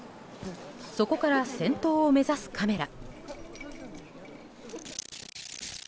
そこから先頭を目指すカメラ。